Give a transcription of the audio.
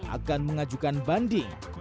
akan mengajukan banding